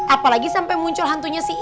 apalagi sampai muncul hantunya si